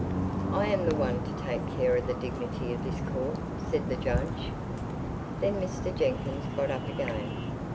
"I am the one to take care of the dignity of this court," said the judge. Then Mr. Jenkyns got up again.